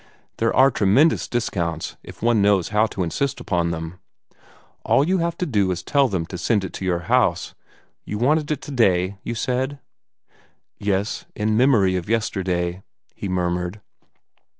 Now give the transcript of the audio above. There are tremendous discounts, if one knows how to insist upon them. All you have to do is to tell them to send it to your house you wanted it today, you said?" "Yes in memory of yesterday," he murmured.